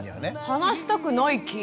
「離したくない期」？